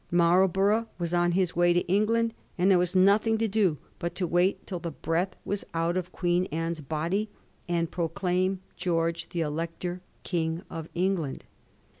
Marlborough was on his way to England, and there was nothing to do but to wait till the breath was out of Queen Anne's body, and proclaim George the Elector King of England.